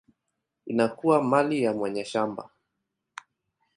inakuwa mali ya mwenye shamba.